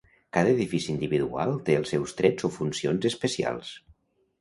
Cada edifici individual té els seus trets o funcions especials.